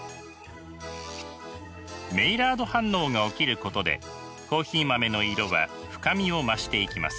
メイラード反応が起きることでコーヒー豆の色は深みを増していきます。